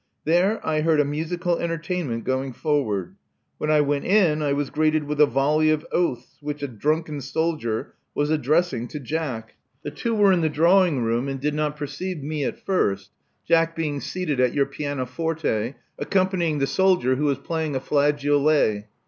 There I heard a musical entertainment going forward. When I went in I was greeted with a volley of oaths which, a drunken soldier was addressing to Jack. The two were in the drawing room and did not perceive me 44 Love Among the Artists at first, Jack being seated at your pianoforte, accompanying the soldier, who was playing a flageolet.